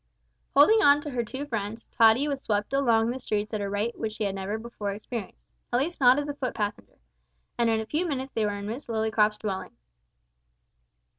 Holding on to her two friends, Tottie was swept along the streets at a rate which she had never before experienced at least not as a foot passenger, and in a few minutes they were in Miss Lillycrop's dwelling.